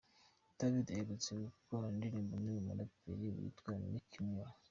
David aherutse gukorana indirimbo n'uyu muraperi witwa Meek Mill.